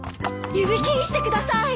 指切りしてください。